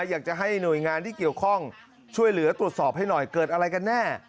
อยากจะให้หน่วยงานที่เกี่ยวข้องช่วยเหลือตรวจสอบให้หน่อยเกิดอะไรกันแน่